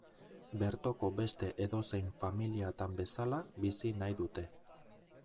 Bertoko beste edozein familiatan bezala bizi nahi dute.